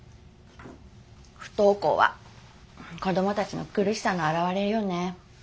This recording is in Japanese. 不登校は子供たちの苦しさの表れよね。